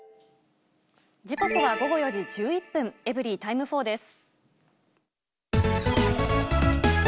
時刻は午後４時１１分、エブリィタイム４です。